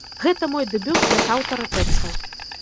Гэта мой дэбют як аўтара тэкстаў.